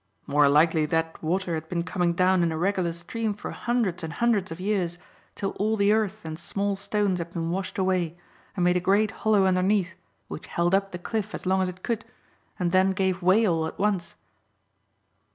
"More likely that water had been coming down in a regular stream for hundreds and hundreds of years till all the earth and small stones had been washed away and made a great hollow underneath which held up the cliff as long as it could, and then gave way all at once."